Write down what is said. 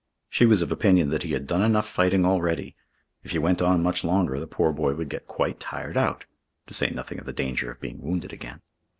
She was of opinion that he had done enough fighting already. If he went on much longer, the poor boy would get quite tired out, to say nothing of the danger of being wounded again.